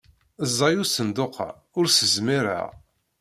Ẓẓay usenduq-a, ur s-zmireɣ.